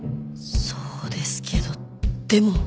そうですけどでも